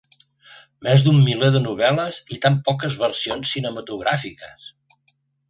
Més d'un miler de novel·les i tan poques versions cinematogràfiques!